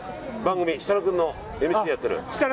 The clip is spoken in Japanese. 設楽君がＭＣやってる。